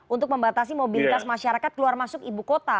untuk membatasi mobilitas masyarakat keluar masuk ibu kota